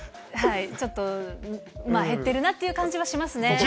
ちょっと、減ってるなという感じがしますね。